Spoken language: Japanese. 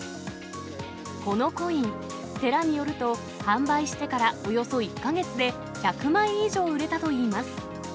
このコイン、寺によると、販売してからおよそ１か月で１００枚以上売れたといいます。